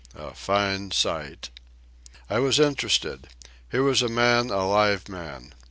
A fine sight!" I was interested. Here was a man, a live man.